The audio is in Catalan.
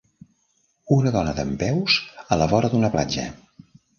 Una dona dempeus a la vora d'una platja.